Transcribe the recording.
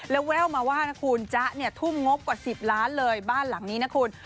แล้วแววมาว่านะคุณจ๊ะเนี่ยทุ่มงบกว่า๑๐ล้านเลยบ้านหลังนี้นะคุณ